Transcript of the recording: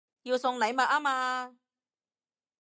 要送禮物吖嘛